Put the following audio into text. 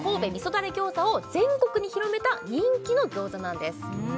だれ餃子を全国に広めた人気の餃子なんです